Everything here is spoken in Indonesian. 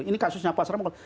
ini kasusnya pasaramula